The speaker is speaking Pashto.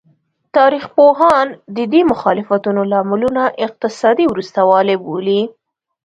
تاریخ پوهان د دې مخالفتونو لاملونه اقتصادي وروسته والی بولي.